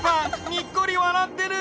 にっこりわらってる！